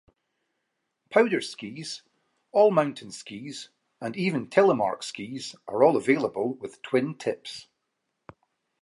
Powder skis, all-mountain skis, and even telemark skis are all available with twin tips.